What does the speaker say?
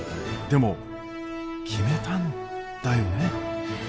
でも決めたんだよね？